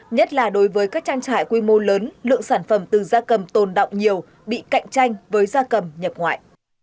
nhất là đối với các trang trại quy mô lớn lượng sản phẩm từ da cầm tồn động nhiều bị cạnh tranh với gia cầm nhập ngoại